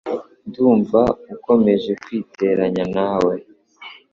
Ndumva ukomeje kwiteranya nawe